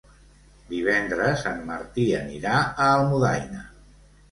Divendres en Martí anirà a Almudaina.